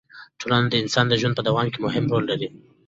ټولنه د انسان د ژوند په دوام کې مهم رول لري.